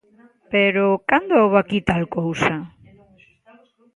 Pero, cando houbo aquí tal cousa?